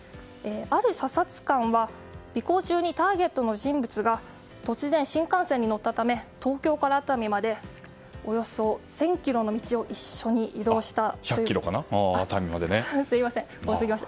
ある査察官は尾行中にターゲットの人物が突然、新幹線に乗ったため東京から熱海までおよそ１００ｋｍの道を一緒に移動したということです。